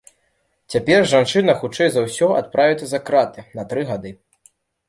Цяпер жанчына, хутчэй за ўсё, адправіцца за краты на тры гады.